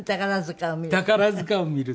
宝塚を見る。